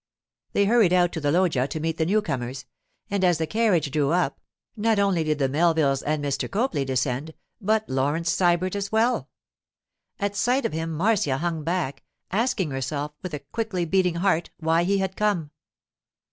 They hurried out to the loggia to meet the new comers, and as the carriage drew up, not only did the Melvilles and Mr. Copley descend, but Laurence Sybert as well. At sight of him Marcia hung back, asking herself, with a quickly beating heart, why he had come.